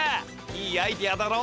いいアイデアだろ？